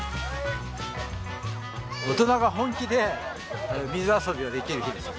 大人が本気で水遊びができる日です。